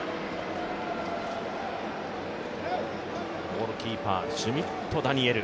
ゴールキーパー、シュミット・ダニエル。